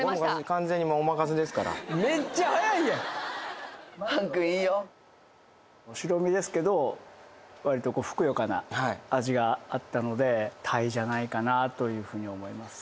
完全にお任せですから白身ですけど割とふくよかな味があったのでタイじゃないかなというふうに思います